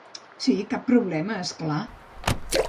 Sí, cap problema, és clar.